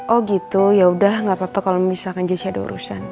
oh gitu yaudah gak papa kalo misalkan jessy ada urusan